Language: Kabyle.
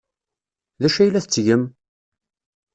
D acu ay la tettgem?